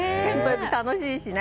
楽しいしね。